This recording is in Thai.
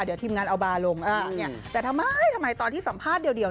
เดี๋ยวทีมงานเอาบาร์ลงแต่ทำไมทำไมตอนที่สัมภาษณ์เดียว